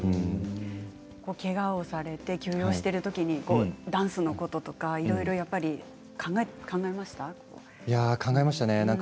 けがをされて休養しているときにダンスのこととか、いろいろ考えましたか？